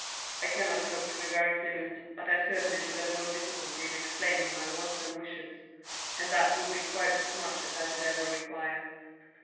I cannot hope to be very fluent, but I certainly should have no difficulty in explaining my wants and wishes; and that would be quite as much as I should ever require."